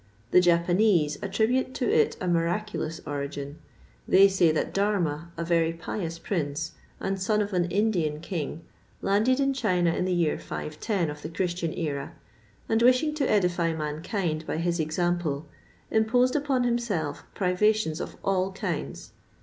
The Japanese attribute to it a miraculous origin. They say that Darma, a very pious prince, and son of an Indian king, landed in China in the year 510 of the Christian era, and wishing to edify mankind by his example, imposed upon himself privations of all kinds.